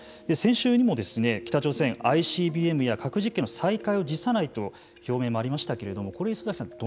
先週にも、北朝鮮ＩＣＢＭや核実験の再開を辞さないと表明もありましたけれどもこれ礒崎さん